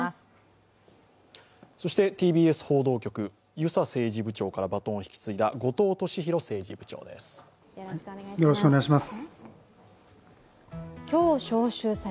そして、ＴＢＳ報道局、遊佐政治部長からバトンを引き継いだ後藤俊広政治部長です。